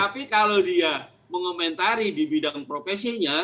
tapi kalau dia mengomentari di bidang profesinya